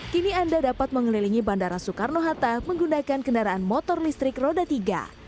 kini anda dapat mengelilingi bandara soekarno hatta menggunakan kendaraan motor listrik roda tiga